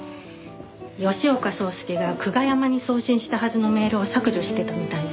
吉岡壮介が久我山に送信したはずのメールを削除してたみたいで。